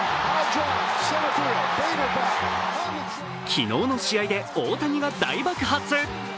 昨日の試合で大谷が大爆発。